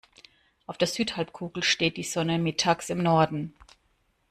Auf der Südhalbkugel steht die Sonne mittags im Norden.